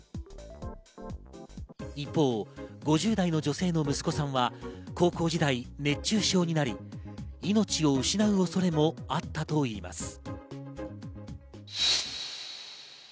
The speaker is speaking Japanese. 一方、５０代の女性の息子さんは高校時代、熱中症になり命を失う恐れもあったといいます。